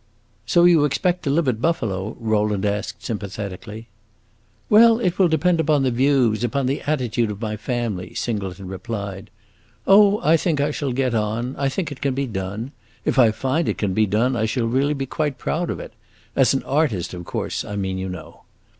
"So you expect to live at Buffalo?" Rowland asked sympathetically. "Well, it will depend upon the views upon the attitude of my family," Singleton replied. "Oh, I think I shall get on; I think it can be done. If I find it can be done, I shall really be quite proud of it; as an artist of course I mean, you know.